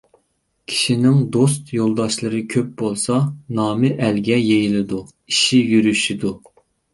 كىشىنىڭ دوست يولداشلىرى كۆپ بولسا، نامى ئەلگە يېيىلىدۇ، ئىشى يۈرۈشىدۇ.